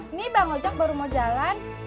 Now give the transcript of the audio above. ini bang ojek baru mau jalan